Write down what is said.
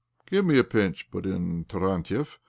" Give me a pinch," put in Tarantiev.